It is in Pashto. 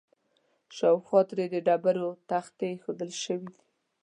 شاوخوا ترې د ډبرو تختې ایښودل شوي دي.